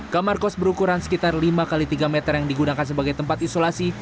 kamar kos berukuran sekitar lima x tiga meter yang digunakan sebagai tempat isolasi